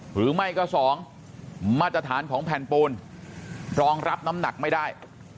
หรือไม่ก็๒มาตรฐานของแผ่นปูนรองรับน้ำหนักไม่ได้